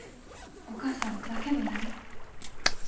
お母さん「だけど」何？